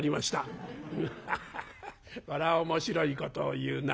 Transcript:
「ハハハハこりゃ面白いことを言うな。